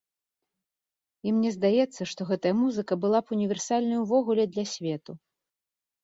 І мне здаецца, што гэтая музыка была б універсальнай увогуле для свету.